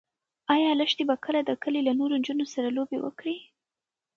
ایا لښتې به کله د کلي له نورو نجونو سره لوبې وکړي؟